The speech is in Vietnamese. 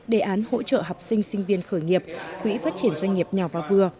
đề án hỗ trợ học sinh sinh viên khởi nghiệp quỹ phát triển doanh nghiệp nhỏ và vừa